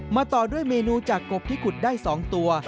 ต่อด้วยเมนูจากกบที่ขุดได้๒ตัว